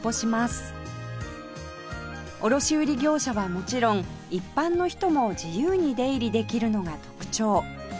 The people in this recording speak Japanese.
卸売業者はもちろん一般の人も自由に出入りできるのが特徴